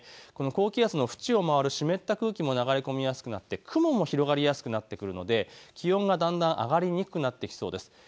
高気圧の縁を回る湿った空気も流れ込みやすくなって雲が広がりやすくなりますので、気温がだんだん上がりにくくなってきそうです。